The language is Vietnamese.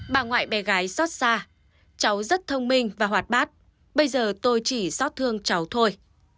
bà ngoại bé gái xót xa cháu rất thông minh và hoạt bát bây giờ tôi chỉ xót thương cháu thôi